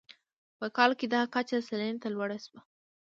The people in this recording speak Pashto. په کال کې دا کچه سلنې ته لوړه شوه.